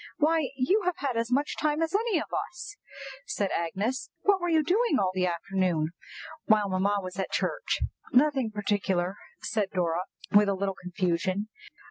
why, you have had as much time as any of us," said Agnes. "What were you doing all the afternoon while mamma was at church?" "Nothing particular," said Dora, with a little confusion.